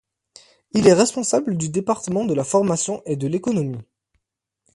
Il est responsable du département de la formation et de l'économie.